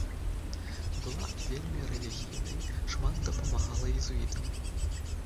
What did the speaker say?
Была вельмі рэлігійнай, шмат дапамагала езуітам.